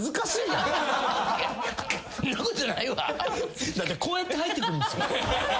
だってこうやって入ってくるんですよ。